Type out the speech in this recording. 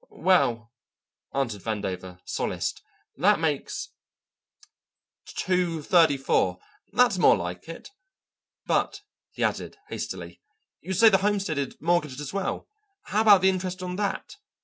"Well," answered Vandover, solaced, "that makes two thirty four; that's more like it. But," he added, hastily, "you say the homestead is mortgaged as well; how about the interest on that?"